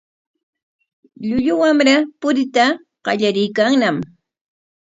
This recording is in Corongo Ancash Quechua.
Llullu wamra puriyta qallariykanñam.